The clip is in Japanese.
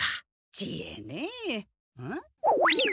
知恵ねえん？